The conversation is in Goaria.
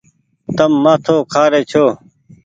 تم مآٿو کآري ڇو۔